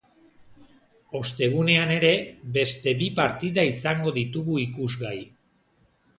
Ostegunean ere, beste bi partida izango ditugu ikusgai.